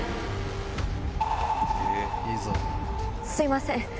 すいません。